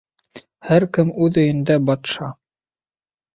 Һәр кем үҙ өйөндә батша.